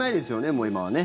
もう今はね。